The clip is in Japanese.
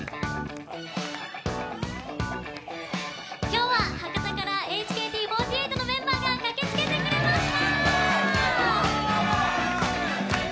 今日は博多からＨＫＴ４８のメンバーが駆けつけてくれました！